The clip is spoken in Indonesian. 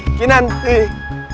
gak kena goreng